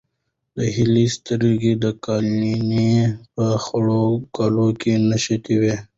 د هیلې سترګې د قالینې په خړو ګلانو کې نښتې وې.